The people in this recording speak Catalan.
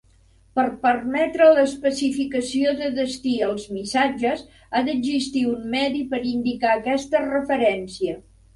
Per permetre l'especificació de destí als missatges, ha d'existir un medi per indicar aquesta referència.